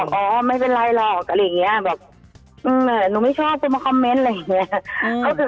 อ๋อไม่เป็นไรหรอกอะไรอย่างนี้แบบหนูไม่ชอบจะมาคอมเมนต์อะไรอย่างนี้